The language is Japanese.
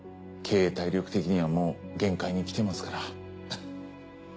経営体力的にはもう限界にきてますから。